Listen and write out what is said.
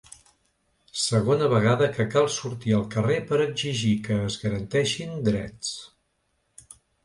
Segona vegada que cal sortir al carrer per exigir que es garanteixin drets.